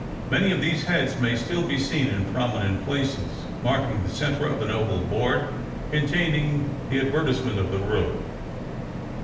Many of these heads may still be seen in prominent places, marking the center of an oval board containing the advertisement of the road.